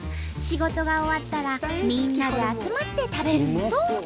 仕事が終わったらみんなで集まって食べるんと！